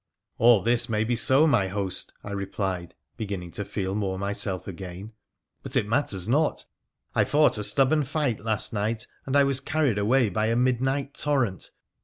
' All this may be so, my host,' I replied, beginning to feel more myself again ;' but it matters not. I fought a stubborn fight last night, and I was carried away by a midnight torrent.